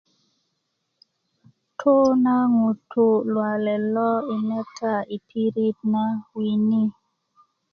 tu na ŋutu' luwalet lo i meta yi pirit na wini